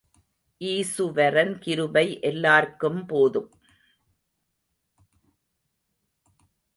ஈசுவரன் கிருபை எல்லார்க்கும் போதும்.